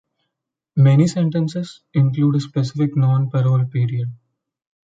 Many sentences include a specific non-parole period.